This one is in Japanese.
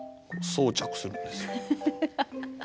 装着するんです。